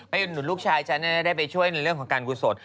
ไปอุดหนุนลูกชายจ๊ะแนน่ได้ไปช่วยในเรื่องของการกู้สด